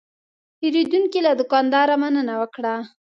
پیرودونکی له دوکاندار مننه وکړه.